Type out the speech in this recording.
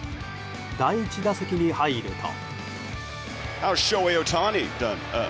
第１打席に入ると。